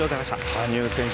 羽生選手